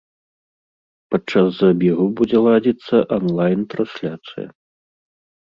Падчас забегу будзе ладзіцца анлайн-трансляцыя.